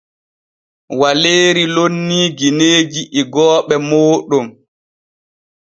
Waleeri lonnii gineeji igooɓe mooɗon.